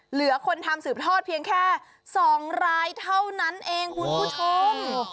เหลือคนทำสืบทอดเพียงแค่๒รายเท่านั้นเองคุณผู้ชม